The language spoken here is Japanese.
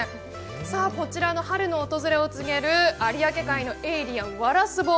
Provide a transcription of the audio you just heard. こちらの春の訪れを告げる有明間のエイリアン、ワラスボ。